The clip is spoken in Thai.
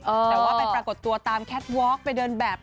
แต่ว่าไปปรากฏตัวตามแคทวอล์ไปเดินแบบ